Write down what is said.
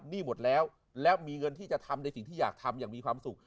หนี้หมดแล้วแล้วมีเงินที่จะทำในสิ่งที่อยากทำอย่างมีความสุข